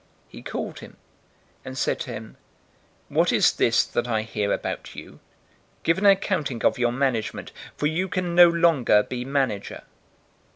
016:002 He called him, and said to him, 'What is this that I hear about you? Give an accounting of your management, for you can no longer be manager.'